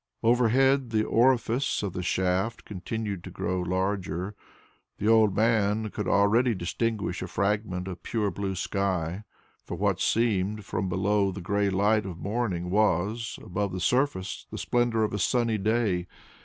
Overhead the orifice of the shaft continued to grow larger. The old man could already distinguish a fragment of pure blue sky, for what seemed from below the grey light of morning was, above the surface, the splendour of a sunny day.